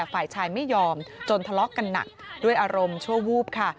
ฝ่ายชายไม่ยอมจนทะเลาะกันหนักด้วยอารมณ์ชั่ววูบค่ะ